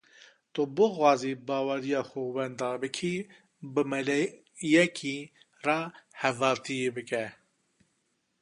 Tu bixwazî baweriya xwe wenda bikî, bi meleyekî re hevaltiyê bike.